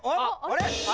あれ？